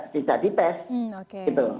tidak dites gitu